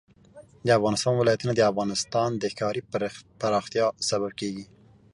د افغانستان ولايتونه د افغانستان د ښاري پراختیا سبب کېږي.